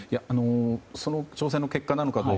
その挑戦の結果なのか